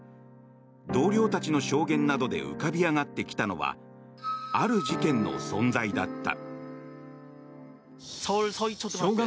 同僚たちの証言などで浮かび上がってきたのはある事件の存在だった。